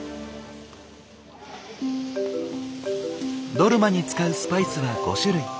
ドルマに使うスパイスは５種類。